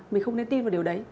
mình không nên tin vào điều đấy